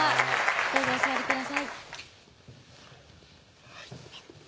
どうぞお座りください